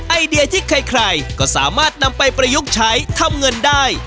ไอเดียที่ใครก็สามารถนำไปประยุกต์ใช้ทำเงินได้